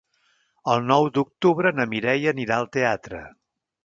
El nou d'octubre na Mireia anirà al teatre.